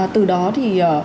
từ đó thì